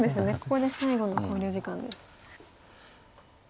ここで最後の考慮時間です。